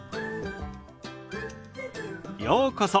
ようこそ。